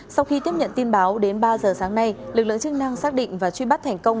sau khi tiếp nhận tin báo đến ba giờ sáng nay lực lượng chức năng xác định và truy bắt thành công